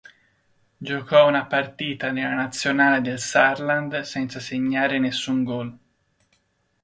Giocò una partita nella nazionale del Saarland senza segnare nessun gol.